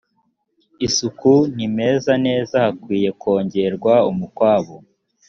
isuku ntimeze neza hakwiye kongerwa umukwabu